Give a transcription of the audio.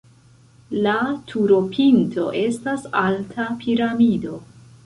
La turopinto estas alta piramido.